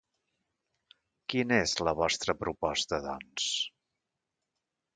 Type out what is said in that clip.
Quina és la vostra proposta, doncs?